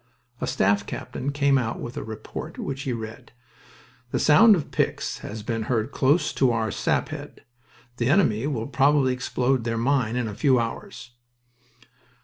A staff captain came out with a report, which he read: "The sound of picks has been heard close to our sap head. The enemy will probably explode their mine in a few hours."